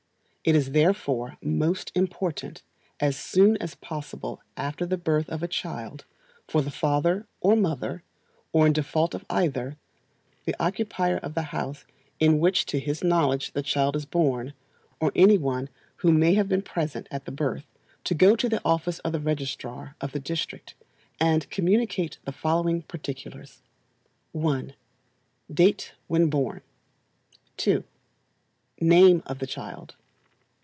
It is therefore most important, as soon as possible after the birth of a child, for the father or mother, or in default of either, the occupier of the house in which to his knowledge the child is born, or any one who may have been present at the birth, to go to the office of the registrar of the district, and communicate the following particulars: 1. Date when born. 2. Name of the child.